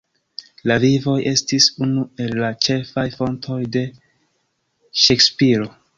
La "Vivoj" estis unu el la ĉefaj fontoj de Ŝekspiro.